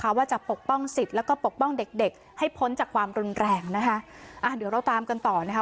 ว่าจะปกป้องสิทธิ์แล้วก็ปกป้องเด็กเด็กให้พ้นจากความรุนแรงนะคะอ่าเดี๋ยวเราตามกันต่อนะคะ